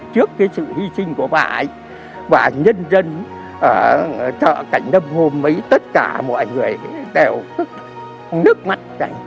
trước cái sự hy sinh của bà ấy bà nhân dân ở cảnh năm hôm ấy tất cả mọi người đều nước mắt